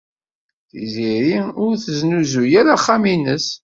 Tiziri ur tesnuzuy ara axxam-nnes.